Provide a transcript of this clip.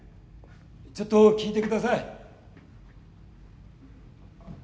ちょっと聞いてください。